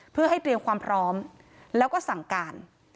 เพื่อให้เตรียมความพร้อมแล้วก็สั่งการ